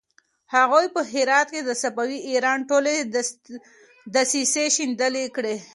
هغوی په هرات کې د صفوي ایران ټولې دسيسې شنډې کړې.